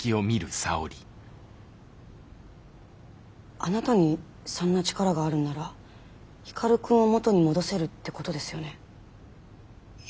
あなたにそんな力があるんなら光くんを元に戻せるってことですよね？